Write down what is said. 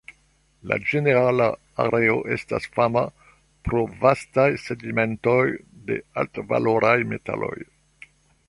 La ĝenerala areo estas fama pro vastaj sedimentoj de altvaloraj metaloj.